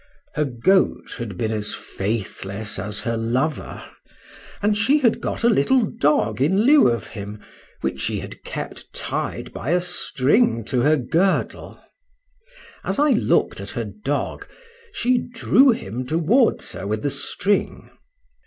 —Her goat had been as faithless as her lover; and she had got a little dog in lieu of him, which she had kept tied by a string to her girdle: as I looked at her dog, she drew him towards her with the string.